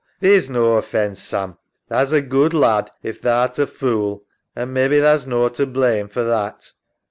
Theer's no offence, Sam. Tha's a good lad if tha art a fool, an' mebbe tha's no to blame for that.